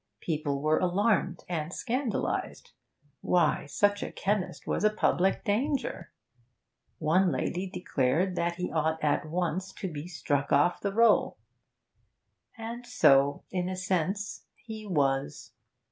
People were alarmed and scandalised. Why, such a chemist was a public danger! One lady declared that he ought at once to be 'struck off the roll!' And so in a sense he was.